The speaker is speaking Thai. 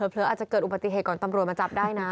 เผลออาจจะเกิดอุบัติเหตุก่อนตำรวจมาจับได้นะ